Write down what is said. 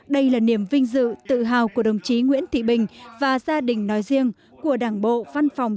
đây là niềm vinh dự tự hào của đồng chí nguyễn thị bình và gia đình nói riêng của đảng bộ văn phòng